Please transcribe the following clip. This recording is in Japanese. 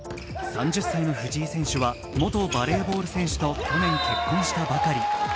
３０歳の藤井選手は元バレーボール選手と去年結婚したばかり。